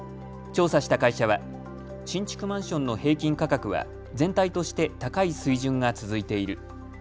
調査した会社は新築マンションの平均価格は全体として高い水準が続いている。